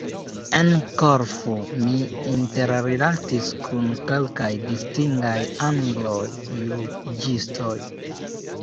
En Korfu, mi interrilatis kun kelkaj distingaj Angloj: juĝistoj!